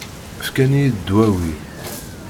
Fkan-iyi-d ddwawi.